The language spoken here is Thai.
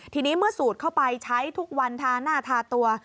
ทีนี้เมื่อสูดเข้าไปใช้ทุกวันทาหน้าทาตัว